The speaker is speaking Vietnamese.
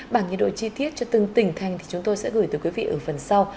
bảng nhiệt độ chi tiết cho từng tỉnh thành thì chúng tôi sẽ gửi tới quý vị ở phần sau